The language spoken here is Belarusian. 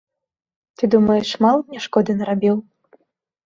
Ты, думаеш, мала мне шкоды нарабіў?